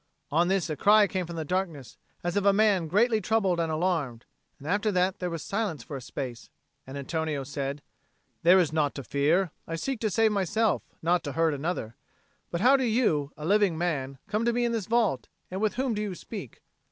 On this a cry came from the darkness, as of a man greatly troubled and alarmed; and after that there was silence for a space. And Antonio said, "There is naught to fear; I seek to save myself, not to hurt another. But how do you, a living man, come to be in this vault, and with whom do you speak?"